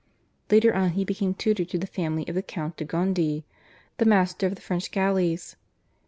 Later on he became tutor to the family of the Count de Gondi, the master of the French galleys.